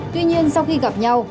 tuy nhiên sau khi gặp nhau